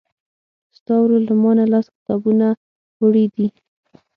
ستا ورور له مانه لس کتابونه وړي دي.